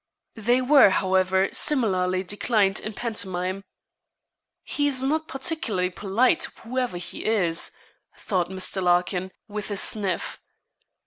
They were, however, similarly declined in pantomime. 'He's not particularly polite, whoever he is,' thought Mr. Larkin, with a sniff.